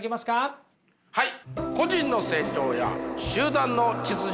はい。